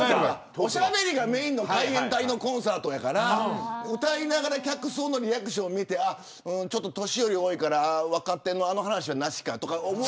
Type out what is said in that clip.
おしゃべりがメーンの海援隊のコンサートだから歌いながら客層のリアクションを見て年寄りが多いから若手の話は、なしかとか。